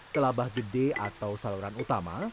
telabah gede atau saluran utama